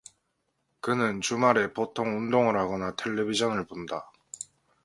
그는 주말에 보통 운동을 하거나 텔레비전을 본다.